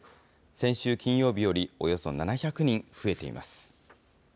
先週金曜日よりおよそ７００人増えています。